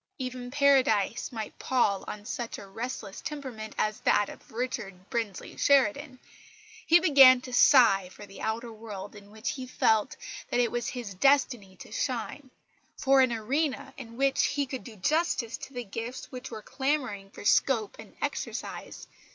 Even Paradise might pall on such a restless temperament as that of Richard Brinsley Sheridan. He began to sigh for the outer world in which he felt that it was his destiny to shine, for an arena in which he could do justice to the gifts which were clamouring for scope and exercise.